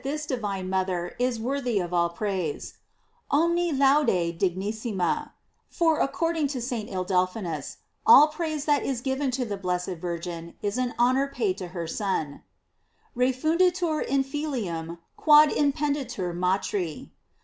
The holy Church sings that this divine mother is worthy of all praise: "Omui laude dignissiina;" for according to St. Ildephonsus, all praise that is given to the blessed Virgin is an honor paid to her Son: "Refuiiditur in filium quod impendi tur matri."